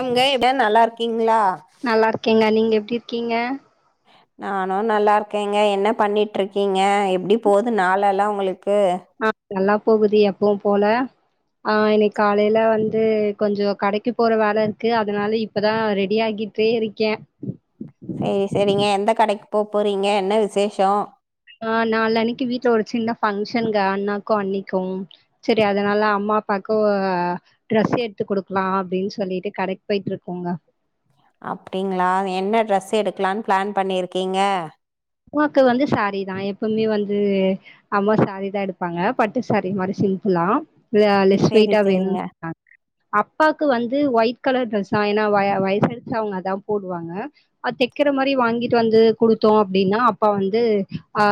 அங்க எப்டியா நல்லா இருக்கீங்களா நல்லா இருக்கேங்க நீங்க எப்டி இருக்கீங்க நானு நல்லா இருக்கேங்க என்ன பண்ணிட்ருக்கீங்க எப்டி போது நாளெல்லா உங்களுக்கு பே ஆ நல்லா போகுது எப்பவு போல ஆ இன்னைக்கு காலைல வந்து கொஞ்ச கடைக்கு போற வேல இருக்கு அதனால இப்பதா ரெடி ஆகி இப்பயே இருக்கே சரி சரிங்க எந்த கடைக்கு போப் போறீங்க என்ன விசேஷ ஆ நாளானைக்கி வீட்ல ஒரு சின்ன பங்க்ஷனுங்க அண்ணாக்கு அண்ணிக்கு சரி அதனால அம்மா பாப்பாக்கு ட்ரெஸ் எடுத்து குடுக்கலா அப்டின் சொல்லிட்டு கடைக்கு போயிட்ருக்கோங்க அப்டிங்களா என்ன ட்ரெஸ் எடுக்கலான்னு பிளான் பண்ணிருக்கீங்க அம்மாக்கு வந்து சாரீ தா எப்பவுமே வந்து அம்மா சாரி தா எடுப்பாங்க பட்டு சாரி மாரி சி ஹலோ சேரி லெஸ்வெய்ட்டா சேரிங்க வேணும அப்பாக்கு வந்து ஒயிட் கலர் ட்ரெஸ்தா ஏன்னா வய வயசாயிடுச்சு அவங்க அதா போடுவாங்க அ செக் க்கிற மாரி வாங்கிட்டு வந்து குடுத்தோ ப்டின்னா அப்பா வந்து ஆ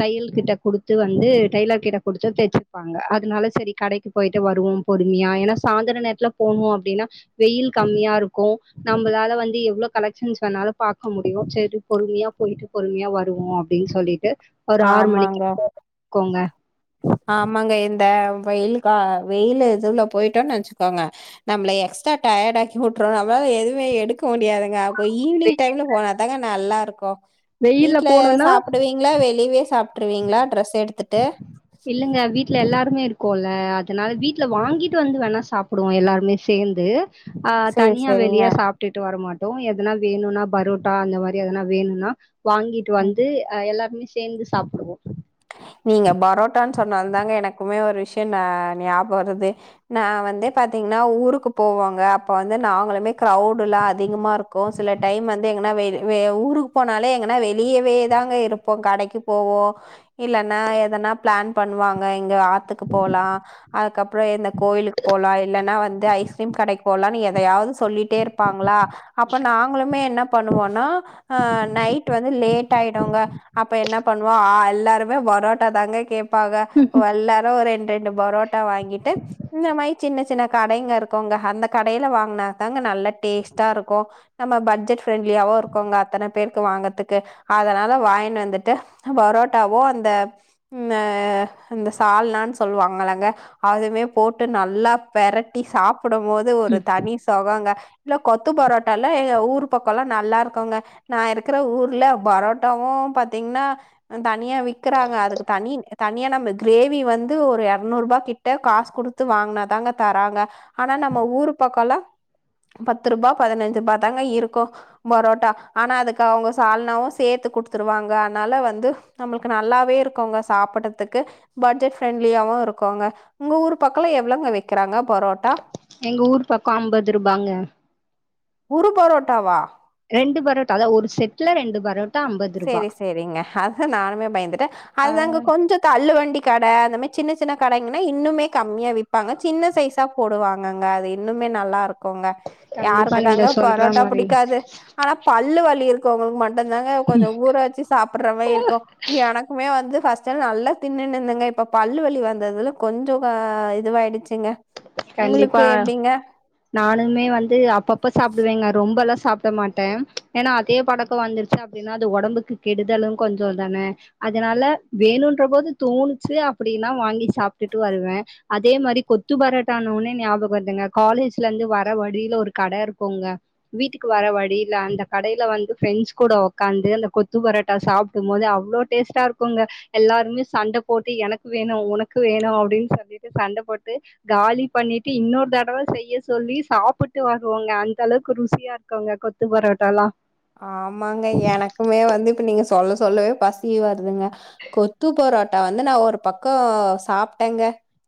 தையல் கிட்ட குடுத்து வந்து டெய்லர் கிட்ட குடுத்து தச்சிருப்பாங்க அதுனால சரி கடைக்கு போய்ட்டு வருவோம் பொறுமையா ஏன்னா சாந்தர நேரத்துல போனோ அப்டின்னா வெயில் கம்மி ரியா இருக்கு நம்மளால வந்து எவ்ளோ கலெக்ஷன்ஸ் வேணாலு பாக்க முடியு சரி பொறுமையா போயிட்டு பொறுமையா வருவோ அப்டின் சொல்லிட்டு ஒரு ஆறு ஆமாங்க மணிக்கு [unintelligible] கோங்க ஆமாங்க இந்த வெயில் கா வெயிலு எதுல போயிட்டோன்னு வச்சுக்கோங்க நம்மள எக்ஸ்ட்ரா டயடு ஆக்கி விட்ருவா அவ எதுமே எடுக்க முடியாதுங்க அப்ப ஈவினிங் டைம்ல போனாதாங்க நல்லா இருக்கு வெயில்ல வீடல போனோம்னா சாப்பிடுவீங்களா வெளியவே சாப்ட்ருவீங்களா ட்ரெஸ் எடுத்துட்டு இல்லங்க வீட்ல எல்லாருமே இரு கோல அதனால வீட்ல வாங்கிட்டு வந்து வேணா சாப்டுவோ எல்லாருமே சேந்து ஆ சேரி தனியா சேரிங்க வெளிய சாப்ட்டுட்டு வரமாட் எதனா வேணுனா பரோட்டா அந்த மாரி எதனா வேணுனா வாங்கிட்டு வந்து எல்லா ஒன்னுசேந்து சாப்டுவோ நீங்க பரோட்டான்னு சொன்னாலதாங்க எனக்குமே ஒரு விஷய ஞாபகம் வருது நா வந்து பாத்தீங்கன்னா ஊருக்கு போவாங்க அப்ப வந்து நாங்களுமே க்ரவுடுலா அதிகமா இருக்கு சில டைம் வந்து எங்கனா வெயி வே ஊருக்கு போனாலே எங்கனா வெளியவே தாங்க இருப்போ கடைக்கு போவோ இல்லன்னா எதனா பிளான் பண்ணுவாங்க எங்க ஆத்துக்கு போலா அதுக்கப்புற எந்த கோயிலுக்கு போ போலா இல்லன்னா வந்து ஐஸ்கிரீம் கடைக்கு போலானு எதையாவது சொல்லி டே இருப்பாங்களா அப்ப நாங்களுமே என்ன பண்ணுவோனா நைட் வந்து லே டைடுங்க அப்ப என்ன பண்ணுவோ ஆ எல்லாருமே பொராட்டா தாங்க கே பாக எல்லாரு ஒரு ரெண்டு ரெண்டு பொராட்டா வாங்கிட்டு இந்த மாரி சின்ன சின்ன கடைங்க இருக்குங்க அந்த கடையில வாங்கினாாங்க நல்ல டேஸ்ட்டா இருக்கு நம்ம பட்ஜெட் ஃப்ரெண்ட்லியா ருக்கோங்க அத்தன பேருக்கு வாங்கறதுக்கு அதனால வாயின் வந்துட்டு பரோட்டாவோ அந் ந்த அ இந்த சால்னானு சொல்லுவாங்கல்லங்க அதுமே போட்டு நல்லா பெரட்டி சாப்படும் போது ஒரு தனி சொகங்க இல்ல கொத்து பொரோட்டால எ ஊர் பக்கம்ல்லா நல்லா இருக்குங்க நா இருக்கிற ஊர்ல பரோட்டாவும் பாத்தீங்கன்னா தனியா வி க்கிறாங்க அதுக்கு தனி தனியா நம்ம கிரேவி வந்து ஒரு எரநூறுபா கிட்ட காசு குடுத்து வாங்குனா தா தராங்க ஆனா நம்ம ஊரு பக்கலா பத்து ரூபா பதினஞ்சு ரூபா தாங்க இருக்கு பொரோட்டா ஆனா அதுக்கு அவங்க சால்னாவு சேத்து குடுத்துருவாங்க அனால வந்து நம்மளுக்கு நல்லாவே இருக்குங்க சாப்டறதுக்கு பட்ஜெட் பிரரெண்ட்லியாவு இருக்குங்க உங்க ஊர் பக்கலா எவ்ளோ வக்கிறாங்க பொரோட்டா எங்க ஊர் பக்கோ அம்பது ரூபாங்க தவா ரெண்டு பரோட்டா அத ஒரு செட்ல ரெண்டு பரோட் சேரி சேரிங்க அதா நானுமே பயந்துட்டே ஆ அதாங்க கொஞ்ச தள்ளு வண்டி கட அந்த மாரி சின்ன சின்ன கடங்னா இன்னுமே கம்மியா விப்பாங்க சின்ன சைசா போடுவாங்கங்க அது இன்னும் மே நல்லா இருக் குங்க கண்டிப்பா யாருக்கு நீங்க தாங்க சொல்ற பரோட்டா மாரி புடிக்காது ஆனா பல்லு வலி இருக்கோங்களுக்கு மட்டு தாங்க கொஞ்ச ஊற வச்சு சாப்டறமாயி இருக்கு எனக்குமே வந்து பஸ்டுல்லா நல்லா தின்னுனுந்தங்க இப்ப பல்லு வலி வந்ததுல கொஞ்ச அ இதுவாயிடுச்சுங்க கண்டிப்பா உங்களுக்கு எப்படிங்க? நானுமே வந்து அப்பப்ப சாப்டுவேங்க ரொம்பெல்லா ஸ் சாப்ட மாட்டே ஏனா அதே பழக்க வந்துருச்சு அப்டினா அது உடம்புக்கு கெடுதலு கொஞ்ச தானே அதனால வேணுன்ற போது தோணுச்சு அப்டினா வாங்கி சாப்டுட்டு வருவே அதே மாரி கொத்து பரோ தானோனே ஞாபக வருதுங்க காலேஜ்ல இருந்து வர வழில ஒரு கட இருக்குங்க வீட்டுக்கு வர வழி ல அந்த கடயில வந்து ஃப்ரெண்ட்ஸ் கூட உக்காந்து அந்த கொத்து பரோட்டா சாப்டும் போது அவ்ளோ டேஸ்டாருக்குங்க எல்லாருமே சண்ட போட்டு எனக்கு வேணு உனக்கு வேணு அப்டினு சொல்லிட்டு சண்ட போட்டு காலி பண்ணிட்டு இன்னொர் தடவ செய்ய சொல்லி சாப்பிட்டு வருவோங்க அந்த அளவுக்கு ருசியா இருக்குங்க கொத்து பரோட்டாலா ஆமாங்க எனக்குமே வந்து இப்ப நீங்க சொல்ல சொல்லவே பசி வருதுங்க கொத்து பரோ டா வந்து நா ஒரு பக்கோ சாப்டேங்க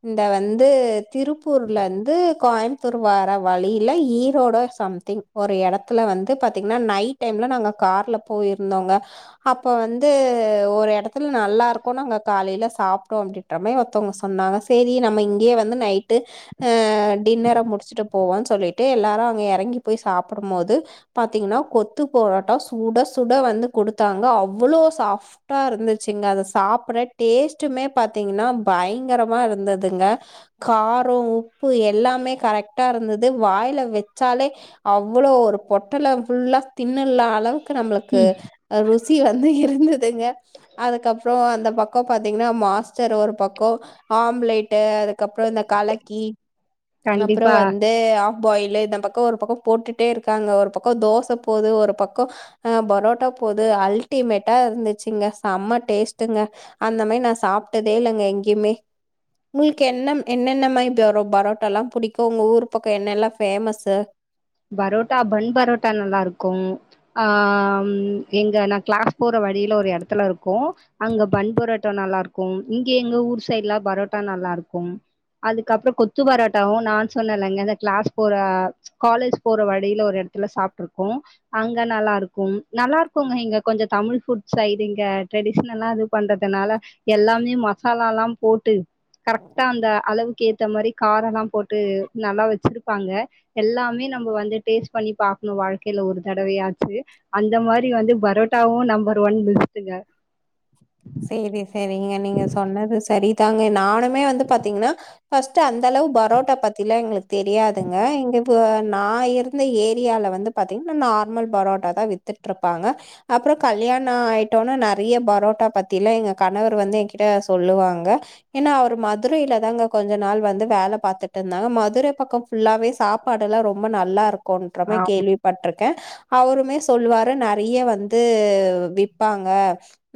இந்த வந்து திருப்பூர்லந்து கோயம்த்தூர் வர வழியில ஈரோட சம்திங் ஒரு இடத்துல வந்து பாத்தீங்கனா நை டைம்ல நாங்க கார்ல போயிருந்தோங்க அப்ப வந்து ஒரு இடத்துல நல்லா இருக்கு நாங்க காலயில சாப்டோ டோமே ஒருத்தவங்க சொன்னாங்க சேரி நம்ம இங்கயே வந்து நைட்டு அ டின்னர முடிச்ட்டு போவான் சொல்லிட்டு எல்லாரு அங்க இறங்கி போய் சாப்டும் போது பாத்தீங்னா கொ த்து போரோட்டா சுட சுட வந்து குடுத்தாங்க அவ்ளோ சாப்டா இருந்துச்சுங்க அத சாப்ட டேஸ்ட்டுமே பாத்தீங்னா பயங்கரமா இருந்துதுங்க கார உப்பு எல் எல்லாமே கரெக்டா இருந்தது வாயில வச்சாலே அவ்ளோ ஒரு பொட்டல புல்லா தின்னள்ள அளவுக்கு நம்ளுக்கு ம் ருசி வந்து இரு ந்துதுங்க அதுக்கப்றோ அந்த பக்கம் பாத்தீங்னா மாஸ்டர் ஒரு பக்க ஆம்லேட்ட அது க்கப்புறோ இந்த கலக்கி அப்றோ கண்டிப்பா வந்து ஆ பாயிலு இந்த பக்க ஒரு பக்க போட்டுட்டே இருக்காங்க ஒரு பக்க தோசை ப் போது ஒரு பக்க போரோட்டா போது அல்டிமேட்டா இருந்துச்சுங்க செம்ம டேஸ்ட்டுங்க அந்த மாரி நா சாப்டதே இல்லங்க எங்கேமே உங்களுக்கு என்ன என்னென்ன மாரி பரோ பரோட்டாலா புடிக்கு உங்க ஊரு பக்க என்னெல்லா பேமசு பரோட்டா பன் பரோட்டா நல்லா இருக்கும் ஆஹ ம் எங்க நா கிளாஸ் போற வழியில ஒரு இடத்துல இருக்கு அங்க பன்பரோட்டா ந நல்லா இருக்கும் இங்க எங்க ஊர் சைட்ல பரோட்டா நல்லா இருக்கும் அதுக்கப்றோ கொத்து பரோட்டாவு நா சொன்னலங்க அத கிளாஸ் போர காலேஜ் போற வழியில ஒரு இடத்துல சாப்டுருக்கோ அங்க நல்லா இருக்கு நல்லா இருக்குங்க இங்க கொஞ்ச தமிழ் ஃபுட் சைடுங்க ட்ரெடிஷ்னலா இது பண்றதுனால எல்லாமே மசாலாலா போட்டு கரெக்டா அந்த அளவுக்கு ஏத்த மாரி காரணம் போட்டு நல்லா வச்ருப்பாங்க எல்லாமே நம்ம வந்து டேஸ்ட் பண்ணி பாக்ணு வாழ்கைல ஒரு தடவயாச்சு அந்த மாரி வந்து பரோட்டாவும் நம்பர் ஒ ன் பெஸ்டுங்க சேரி சேரிங்க நீங்க சொன்னது சரிதாங்க நானுமே வந்து பாத்தீங்னா ஃபஸ்ட் அந் தளவு பரோட்டா பத்திலா எங்ளுக்கு தெரியாதுங்க இங்க போ நா இருந்த ஏரியால வந்து பாத்தீங்னா நார்மல் பரோட்டா தா வித்துட்ருப்பாங்க அப்புற கல்யானோ யாண ஆயிட்டோன நெறய பரோட்டா பத் திலா எங்க கணவர் வந்து என்கிட்ட சொல்லுவாங்க ஏன்னா அவர் மதுரையிலதாங்க கொஞ்ச நாள் வந்து வேல ல பாத்துட்டு இருந்தாங்க மதுரை பக்கம் ஃபுல்லாவே சாப்பாடு எல்லா ரொம்ப நல்லா இருக் கோம் றமேரி ஆம். கேள்விப்பட்ருக்கே அவருமே சொல்லுவாரு நெறய வந்து விப்பாங்க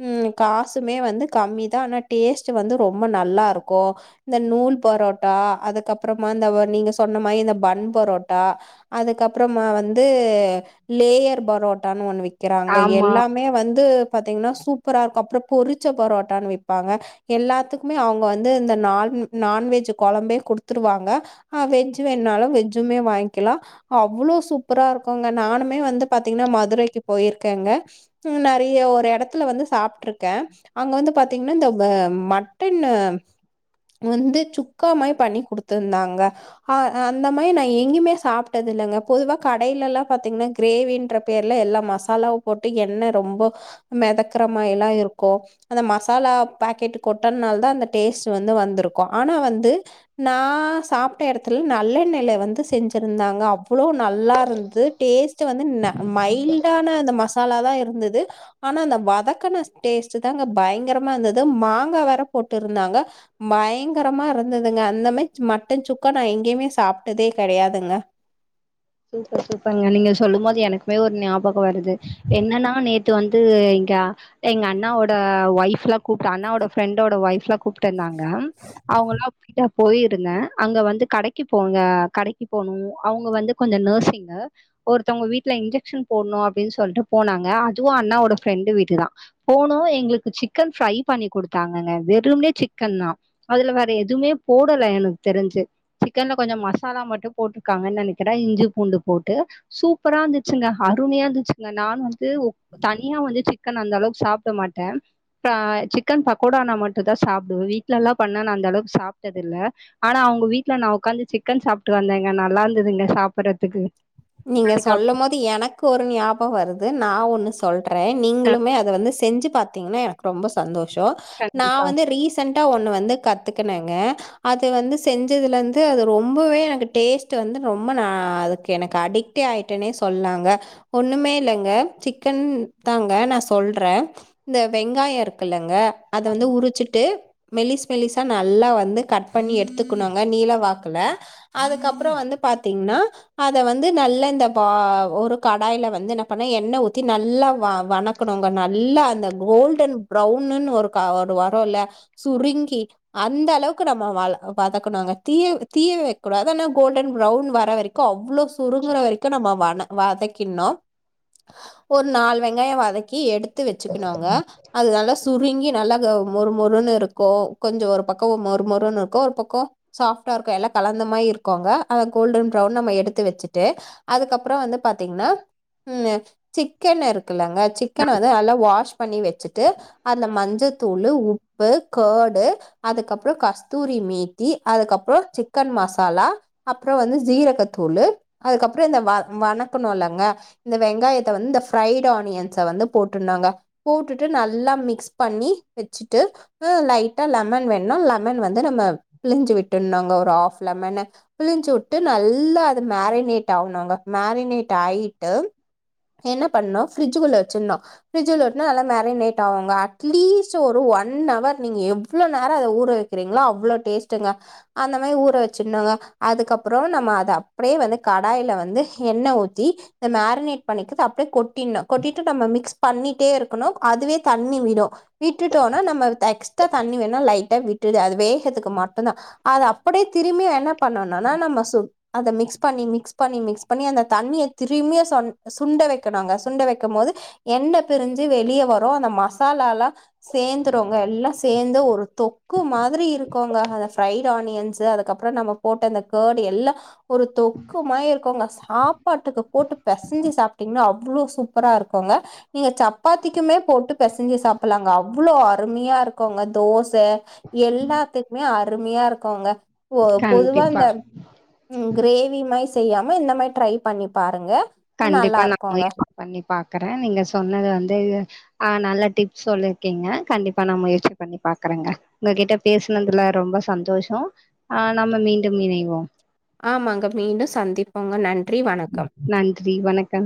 ம் காசுமே வந்து கம்மி தா ஆனா டேஸ்ட் வந்து ரொம்ப நல்லாருக்கூ இந்த நூல் பரோட்டா டா அதுக்கப்பறமா ந்த நீங்க சொன்ன மாரி இந்த பன் பரோட்டா அதுக்கப்பறமா வந்து து லேயர் பரோட்டானு ஒன்னு விக்கிறாங்க ஆமா எல்லாமே வந்து பாத்தீங்ன்னா சூப்பர இரு அப்பறம் பொரிச்ச பரோட்டான்னு விப்பாங்க எல்லாத்துக்குமே அவுங்க வந்து இந்த ந நான்வெஜ் கொழ ம்பே கொடுத்துருவாங்க அ வெஜ் வேனாலும் வெஜ்ஜுமே வாங்கிலா அவ்ளோ சூப்பராருக்கூ ங்க நானுமே வந்து பாத்தீங்ன்னா மதுரைக்கி போயிருக்கேங்க நெறய ஒரு எடத்துல வந்து சாப் ட்டுருக்கே அங்க வந்து பாத்தீங்ன்னா இந்த மட்டன் வந்து சுக்கா மாரி பண்ணி குடுத்துருந்தாங்க அ அந்த மாரி நான் எங்கயுமே சாப்ட்டது இல்லங்க பொதுவா கடையில எல்லாம் பாத்தீங்ன்னா கிரேவின்ற பேர்ல எல்லா மசாலாவும் போட்டு எண்ணரொம்ப மெதக்கரமாரி லா இருக்கூ அந்த மசாலா பாக்கெட் கொட்டனால தா அந்த டேஸ்ட் வந்து வந்திருக்கூ ஆனா வந்து நா சாப்ட எடத்துல நல்லெண்ணல வந்து செஞ்சிருந்தாங்க அவ்ளோ நல்லா இருந்து டேஸ்ட் வந்து ந மைல்டான அந்த மசா சால தா இருந்தது ஆனா அந்த வதக்கன டேஸ்ட் தாங்க பயங்கரமா இருந்தது மாங்கா வேர போட்டு இருந்தாங்க பயங்கரமா இருந்தது ங்க அந்த மாரி சும்மா மட்டன் சுக்கா நான் எங்கயுமே சாப்டதே கெடயாதுங்க சூப்பர் சூப்பர்ங்க நீங்க சொல்லும் போது எனக்குமே ஒரு ஞாபக வருது என்னன்னா நேத்து வந்து க எங்க அண்ணாவோட ஒய்ஃப் எல்லா கூப்ட அண்ணாவோட ஃப்ரெண்டோட ஒய்ஃப் எல்லா கூப்ட்டு இருந்தாங்க அவுங்கல்லா கூப்டா போயிருந்த அங்க வந்து கடைக்கி போங்க கடைக்கி போனும் அவுங்க வந்து கொஞ்ச நர்சிங்க ஒருத்தவுங்க வீட்ல இன்ஜெக்ஷன் போட்ணு அப்டின் சொல்ட்டு போனாங்க அதுவு அண்ணாவோட ஃப்ரெ ண்டு வீடு தான் போனு எங்ளுக்கு சிக்கன் ஃப்ரை பண்ணி கொடுத்தாங்கங்க வெறும்னே சிக்கன் தா அதுல வேற எதுமே போடல எனக்கு தெரிஞ்சு சிக்கன்ல கொஞ்ச மசாலா மட்டும் போட்டிருக்காங்கன் நெனக் கிற இஞ்சி பூண்டு போட்டு சூப்பரா இருந்துச்சுங்க அருமையா இருந்துச்சுங்க நானு வந்து உக் தனியா வந்து சிக்கன் அந்த அளவுக்கு சாப்ட மாட்ட ப சிக்கன் பகோடானா மட்டு தா சாப்டுவ வீட்ல எல்லா பண்ணா அந்த அளவுக்கு சாப்ட்டது இல்ல ஆனா அவுங்க வீட்ல நான் உக்காந்து சிக்கன் சாப்ட்டு வந்தேங்க நல்லா இருந்துதுங்க சாப்புறதுக்கு நீங்க சொல்லும் போது எனக்கு ஒரு ஞாபக வருது நான் ஒண்ணு சொல் றேன் ஆ நீங்களுமே அத வந்து செஞ்சு பாத்தீங்கன்னா எனக்கு ரொம்ப சந்தோஷோ நான் கண்டிப்பா வந்து ரீசன் டா ஒண்ணு வந்து கத்துக்கனங்க அது வந்து செஞ்சதுலந்து அது ரொம்பவே எனக்கு டேஸ்ட் வந்து ரொம்ப ந அதுக்கு எனக்கு அடிக்டே ஆயிட்டனே சொல்லாங்க ஒண்ணுமே இல்லங்க சிக்கன் தாங்க நான் சொல்ற ற இந்த வெங்காய இருக்குல்லங்க அத வந்து உரிச்சிட்டு மெலிஸ் மெலிஸா நல்லா வந்து கட் பண்ணி எடுத்துக்குனுங்க நீல வாக்குல அதுக்கப்றோ வந்து பாத்தீங்ன்னா அ த வந்து நல்ல இந்த பா ஒரு கடாய்ல வந்து என்ன பண்ண எண்ண ஊத்தி நல்லா வ வணக்கணுங்க நல்லா அந்த கோல்டன் ப்ரௌன்னுனு ஒரு க ஒரு வருல சுருங்கி அந்த அளவுக்கு நம்ம வ வதக்கணுங்க தீய தீய வக்க கூடாது ஆனா கோல்டன் ப்ரவுன் வர வரைக்கூ அவ்ளோ சுருங்குற வரைக்கூ நம்ம வண வதக்கின்னு ஒரு நாலு வெங்காயோ வதக்கி எடுத் து வச்சுக்குணுங்க அது நல்ல சுருங்கி நல்லா மொறு மொறுன்னு இருக்கூ கொஞ்சோ ஒரு பக்கோ மொறு மொறுனு இருக்கூ ஒரு பக்கோ சாஃப்டா இருக்கூ எல்லா கலந்த மாரி இருக்கூங்க அத கோல்டன் ப்ரவுன் நம்ம எடுத்து வச் ட்டு அதுக்கப்றோ வந்து பாத்தீங்ன்னா ம் சிக்கன் இரு க்குலங்க சிக்கன வந்து நல்லா வாஷ் பண்ணி வச்சிட்டு அந்த மஞ்ச தூளு உப்பு கர்டு அதுக்கப்றோ கஸ்தூரி மேத்தி அதுக்கப்றோ சிக்கன் ம மசாலா அப்ற வந்து சீரகத்தூளு அதுக்கப்ற இந்த வ வணக்குனுலங்க இந்த வெங்காயத்த வன்ந்த ஃப்ரைட் ஆனியன்ஸ வந்து போட்றனு ங்க போட்டுட்டு நல்லா மிக்ஸ் பண்ணி வச்சுட்டு ம் லைட்டா லெமன் வேண்ணா லெமன் வந்து நம்ம பிழிஞ்சு விட்டுனுங்க ஒரு ஹாஃப் லெமன பிழிஞ்சு வுட்டு நல்லா அது மேரி னீட் ஆவுனுங்க மேரினேட்டாயிட்டு என்ன பண்ணு ஃப்ரிட்ஜுகுள்ள வச்சுன்னு ஃப்ரிட்ஜூல வுட்னா நல்லா மேரினேட் ஆவுங்க அட்லீஸ்ட் ஒரு ஒன்னவர் நீங்க எவ்ளோ நேர அத ஊற வக் க்கீறிங்ளோ அவ்ளோ டேஸ்ட்டுங்க அந்த மேரி ஊற வச்சிர்னுங்க அதுக்கப்ற நம்ம அத அப்டியே வந்து கடாய்ல வந்து ஹெண்ண ஊத்தி இந்த மேரினேட் பண்ணிக்கிறது அப்டியே கொட்டிண்ணு கொட்டிட்டு நம்ம மிக்ஸ் பண்ணிட்டே இருக்கணு அதுவே தண்ணி விடு விட்டுட்டோனா நம்ம த எக்ஸ்ட்ரா தண்ணி வேணா லைட்டா விட்டு அது வேகத்துக்கு மட் டுந்தா அத அப்டியே திரும்பியு என்ன பண்ணணுனா நம்ம சு அத மிக்ஸ் பண்ணி மிக்ஸ் பண்ணி மிக்ஸ் பண்ணி அந்த தண்ணிய திரும்பியு சன் சுண்ட வக்கணுங்க சுண்ட வக்கம்போது என் எண்ண பிரிஞ்சு வெளிய வரு அந்த மசாலாலா சேந்துருங்க எல்லா சேந்து ஒரு தொக்கு மாதிரி இருக்குங்க அத ஃப்ரைடானியன்ஸ்சு அதுக்கப்ற நம்ம போட்ட அந்த கர்டு எல்லா ஒரு தொக் க்கு மாரி இருக்குங்க சாப்பாட்டுக்கு போட்டு பெசஞ்சி சாப்ட்டீங்னா அவ்ளோ சூப்பராருக்குங்க நீங்க சப்பாத்திக்குமே போட்டு பெசஞ்சி சாப்பல்லாங்க அவ்ளோ அருமையா இருக்குங்க தோச எல்லாத்துக்குமே அருமையா இருக்குங்க பொ பொதுவா கண்டிப்பா இந்த ம் க்ரேவ் விமாயி செய்யாம இந்த மாரி ட்ரை பண்ணி பாருங்க கண்டிப்பா நல்லா நா இருக்குங்க முயற்சி பண்ணி பாக்ற நீங்க சொன்னது வந்து ஆ நல்ல டிப்ஸ் சொல்லிர்க்கிங்க கண்டிப்பா நா முயற்சி பண்ணி பா பாக்கறங்க உங்க கிட்ட பேசனதுல ரொம்ப சந்தோஷோ ஆ நம்ம மீண்டும் இணைவோம் ஆமாங்க மீண்டூ சந்திப்போங்க நன்றி வணக்கம் நன்றி வணக்கம்